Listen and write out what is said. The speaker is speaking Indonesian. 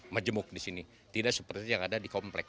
mejemuk di sini tidak seperti yang ada di komplek